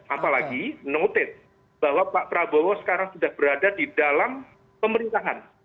apalagi note bahwa pak prabowo sekarang sudah berada di dalam pemerintahan